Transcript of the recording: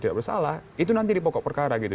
tidak bersalah itu nanti di pokok perkara gitu